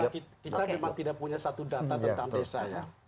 kita memang tidak punya satu data tentang desa ya